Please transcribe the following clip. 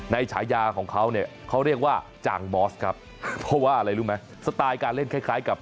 ฉายาของเขาเนี่ยเขาเรียกว่าจางมอสครับเพราะว่าอะไรรู้ไหมสไตล์การเล่นคล้ายกับ